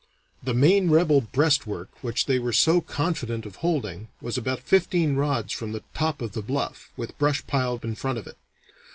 The main rebel breastwork, which they were so confident of holding, was about fifteen rods from the top of the bluff, with brush piled in front of it.